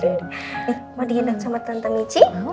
nih mau dihidang sama tante michi